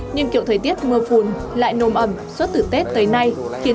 nhưng kiểu thời tiết mưa phùn lại nồm ẩm suốt từ tết tới nay khiến